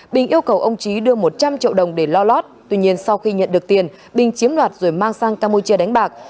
bình yêu cầu ông trí đưa một trăm linh triệu đồng để lo lót tuy nhiên sau khi nhận được tiền bình chiếm đoạt rồi mang sang campuchia đánh bạc